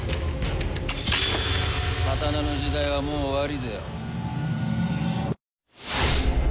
刀の時代はもう終わりぜよ。